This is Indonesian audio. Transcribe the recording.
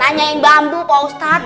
nanyain bambu pak ustadz